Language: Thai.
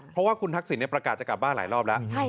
เพราะว่าคุณทักษิณประกาศจะกลับบ้านหลายรอบแล้ว